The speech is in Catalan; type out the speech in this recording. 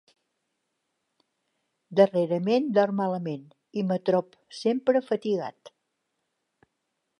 Darrerament dorm malament i me trob sempre fatigat.